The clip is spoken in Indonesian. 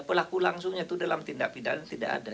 pelaku langsungnya itu dalam tindak pidana tidak ada